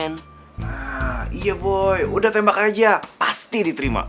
nah iya boy udah tembak aja pasti diterima